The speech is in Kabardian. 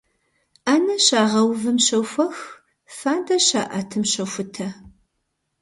Ӏэнэ щагъэувым щохуэх, фадэ щаӀэтым щохутэ.